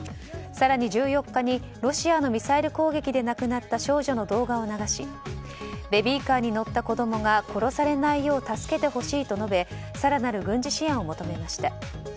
更に１４日にロシアのミサイル攻撃で亡くなった少女の動画を流しベビーカーに乗った子供が殺されないよう助けてほしいと述べ更なる軍事支援を求めました。